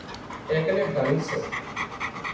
اين ڪنين ڌنَ سي